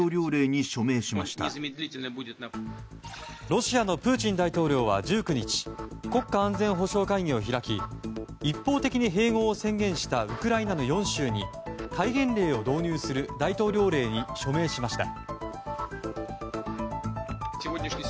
ロシアのプーチン大統領は１９日国家安全保障会議を開き一方的に併合を宣言したウクライナの４州に戒厳令を導入する大統領令に署名しました。